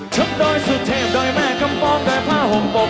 ชมดอยสุดเทพดอยแม่กำปองดอยผ้าห่อมปบ